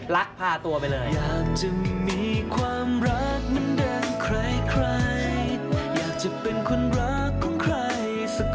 รักพาตัวไปเลย